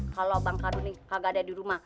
kalau bang karuni kagak ada dirumah